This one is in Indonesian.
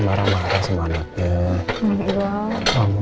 marah marah sama anaknya